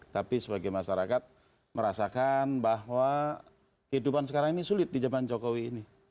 tapi sebagai masyarakat merasakan bahwa kehidupan sekarang ini sulit di zaman jokowi ini